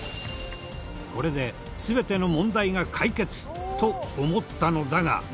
これで全ての問題が解決！と思ったのだが。